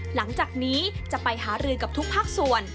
หลังจากนี้จะไปหารือกับทุกภาคส่วน